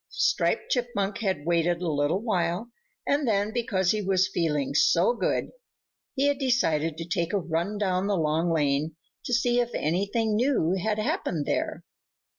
Striped Chipmunk had waited a little while and then, because he was feeling so good, he had decided to take a run down the Long Lane to see if anything new had happened there.